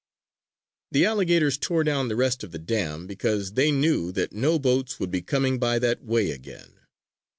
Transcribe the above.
The alligators tore down the rest of the dam, because they knew that no boats would be coming by that way again.